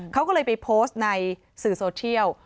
เขาก็เลยไปโพสต์ในสื่อโซเทียล